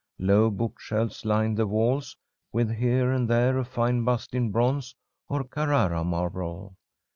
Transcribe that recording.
Low book shelves lined the walls, with here and there a fine bust in bronze or Carrara marble.